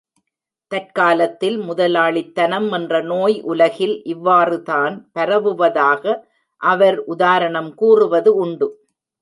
தற்காலத்தில் முதலாளித் தனம் என்ற நோய், உலகில் இவ்வாறுதான் பரவுவதாக அவர் உதாரணம் கூறுவது உண்டு.